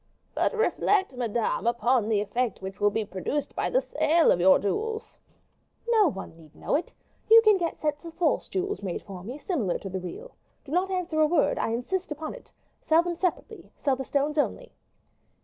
"But reflect, madame, upon the effect which will be produced by the sale of your jewels." "No one need know it. You can get sets of false jewels made for me, similar to the real. Do not answer a word; I insist upon it. Sell them separately, sell the stones only."